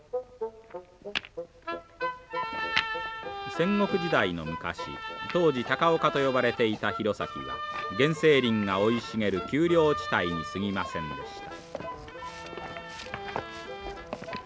戦国時代の昔当時高岡と呼ばれていた弘前は原生林が生い茂る丘陵地帯にすぎませんでした。